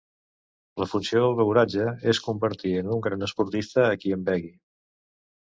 La funció del beuratge, és convertir en un gran esportista a qui en begui.